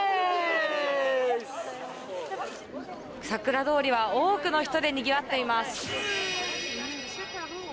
さくら通りは多くの人でにぎわっています。